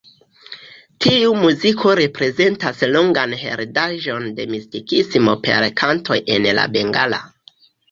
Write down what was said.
Tiu muziko reprezentas longan heredaĵon de mistikismo per kantoj en la bengala.